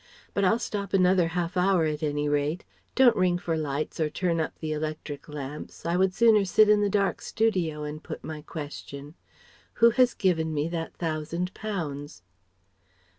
But I'll stop another half hour at any rate. Don't ring for lights or turn up the electric lamps. I would sooner sit in the dark studio and put my question. Who has given me that thousand pounds?"